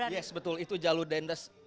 yes betul itu jalur dendels